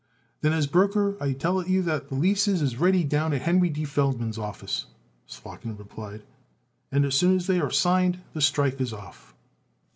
"Then, as broker, I tell it you that the leases is ready down at Henry D. Feldman's office," Slotkin replied, "and as soon as they are signed the strike is off."